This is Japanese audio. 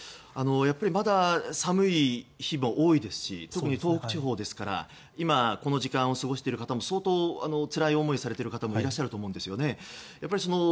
まだ寒い日も多いですし特に東北地方ですから今、この時間を過ごしている方も相当つらい思いをされている方もいらっしゃると思いますよね。